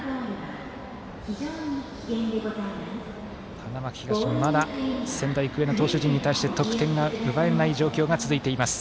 花巻東、まだ仙台育英の投手陣に対して得点が奪えない状況が続いています。